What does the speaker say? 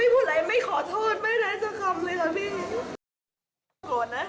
ไม่พูดอะไรไม่พูดอะไรไม่ขอโทษไม่ได้สักคำเลยครับพี่